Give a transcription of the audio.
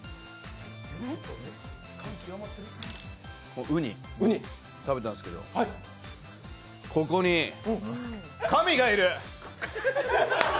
これ、うに食べたんですけど、ここに神がいる！